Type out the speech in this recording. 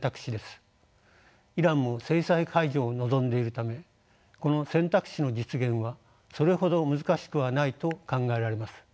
イランも制裁解除を望んでいるためこの選択肢の実現はそれほど難しくはないと考えられます。